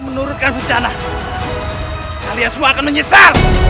menurutkan rencana kalian semua akan menyesal